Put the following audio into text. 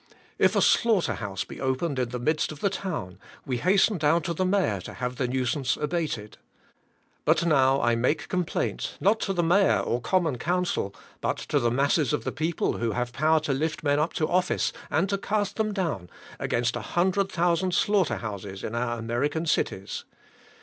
If a slaughter house be opened in the midst of the town, we hasten down to the Mayor to have the nuisance abated. But now I make complaint, not to the Mayor or Common Council, but to the masses of the people, who have the power to lift men up to office, and to cast them down, against a hundred thousand slaughter houses in our American cities.